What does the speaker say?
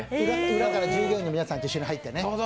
裏から従業員の皆さんと一緒に入ってね。